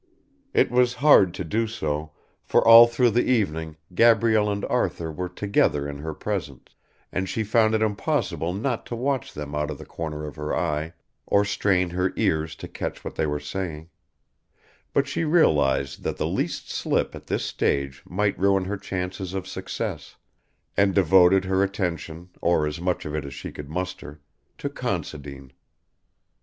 It was hard to do so, for all through the evening Gabrielle and Arthur were together in her presence, and she found it impossible not to watch them out of the corner of her eye or strain her ears to catch what they were saying; but she realised that the least slip at this stage might ruin her chances of success, and devoted her attention or as much of it as she could muster, to Considine.